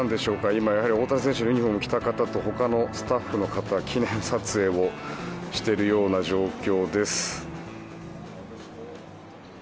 今、やはり大谷選手のユニホームを着た方と他のスタッフの方が記念撮影をしている状況です。